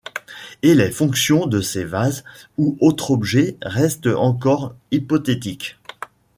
Et les fonctions de ces vases ou autres objets restent encore hypothétiques.